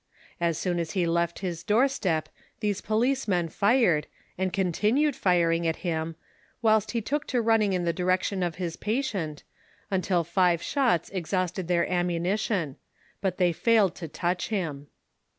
As soon as he left his door step, tliese policemen fired, and continued firing at him, whilst he took to running in the direction of his patient, until five shots exhausted their ammunition ; but they failed to touch him.